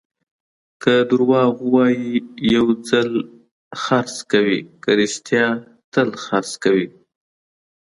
که دروغ ووایې، یو ځل خرڅ کوې؛ که رښتیا، تل خرڅ کوې.